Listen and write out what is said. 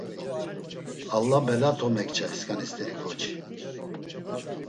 “Alla bela to mekçay sǩani st̆eri ǩoçi!”